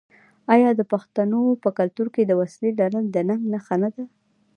آیا د پښتنو په کلتور کې د وسلې لرل د ننګ نښه نه ده؟